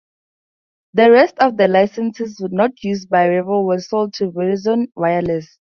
The rest of the licenses not used by Revol were sold to Verizon Wireless.